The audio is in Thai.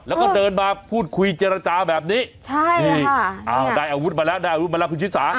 แล้วก็เดินมาพูดคุยเจรจาแบบนี้นี่ได้อาวุธมาแล้วได้อาวุธมาแล้วคุณชิสา